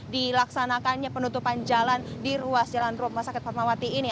dilaksanakannya penutupan jalan di ruas jalan rumah sakit fatmawati ini